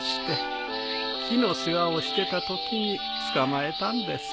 木の世話をしてたときに捕まえたんです。